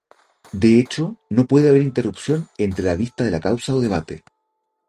De hecho no puede haber interrupción entre la vista de la causa o debate.